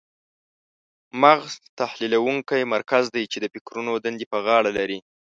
مغز تحلیلونکی مرکز دی چې د فکرونو دندې په غاړه لري.